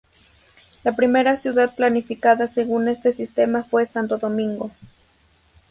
La primera ciudad planificada según este sistema fue Santo Domingo.